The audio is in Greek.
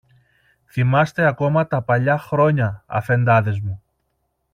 Θυμάστε ακόμα τα παλιά χρόνια, Αφεντάδες μου.